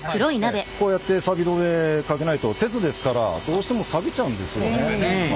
こうやってさび止めかけないと鉄ですからどうしてもさびちゃうんですよね。